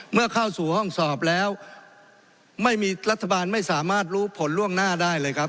เมื่อเข้าสู่ห้องสอบแล้วไม่มีรัฐบาลไม่สามารถรู้ผลล่วงหน้าได้เลยครับ